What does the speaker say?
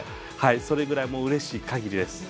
それぐらいうれしい限りです。